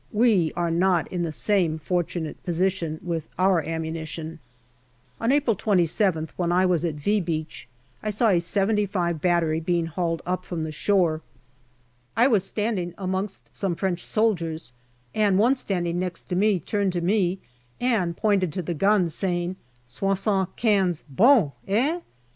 We are not in the same fortunate position with our ammunition. On April 27th, when I was at " V " Beach, I saw a " 75 " 7 98 GALLIPOLI DIARY battery being hauled up from the shore. I was standing amongst some French soldiers, and one standing next to me turned to me and pointed to the guns, saying " Soixante quinze, bon eh